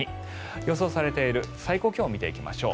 予想されている最高気温見ていきましょう。